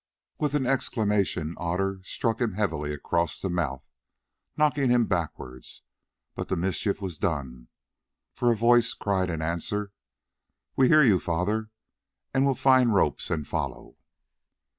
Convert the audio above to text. With an exclamation Otter struck him heavily across the mouth, knocking him backwards, but the mischief was done, for a voice cried in answer: "We hear you, father, and will find ropes and follow."